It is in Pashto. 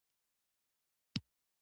کویلیو پریکړه وکړه چې لیکوال شي.